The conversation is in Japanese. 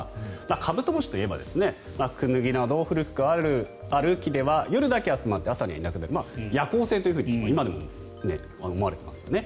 カブトムシと言えばクヌギなど古くからある木では夜だけ集まって朝にはいなくなると今でも思われていますよね。